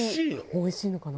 おいしいのかな？